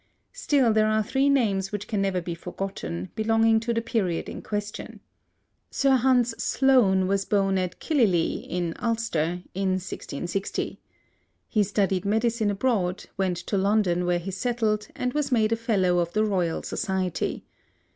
Still there are three names which can never be forgotten, belonging to the period in question. Sir Hans Sloane was born at Killileagh, in Ulster, in 1660. He studied medicine abroad, went to London where he settled, and was made a Fellow of the Royal Society.